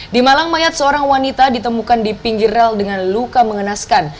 di malang mayat seorang wanita ditemukan di pinggir rel dengan luka mengenaskan